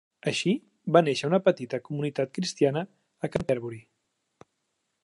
Així, va néixer una petita comunitat cristiana a Canterbury.